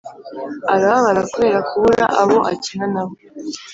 Arababara kubera kubura abo akina na bo.